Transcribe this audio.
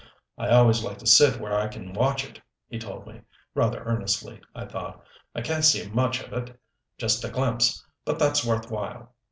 "I always like to sit where I can watch it," he told me rather earnestly, I thought. "I can't see much of it just a glimpse but that's worth while.